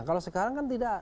kalau sekarang kan tidak